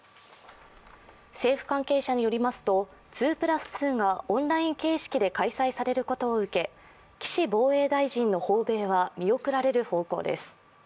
政府関係者によりますと、２＋２がオンライン形式で開催されることを受け、岸防衛大臣の訪米は見送られる方向です。